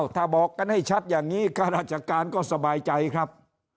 ถ้าบอกกันให้ชัดอย่างนี้ข้าราชการก็สบายใจครับ